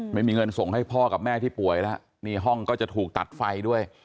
ไม่มีเงินส่งให้พ่อกับแม่ที่ป่วยแล้วนี่ห้องก็จะถูกตัดไฟด้วย